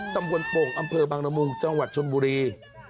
ตำบลโป่งอำเภอบังละมุงจังหวัดชนบุรี